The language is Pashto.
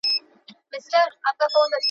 حضرت علي کرم الله وجهه چا ته مېلمستيا وکړه؟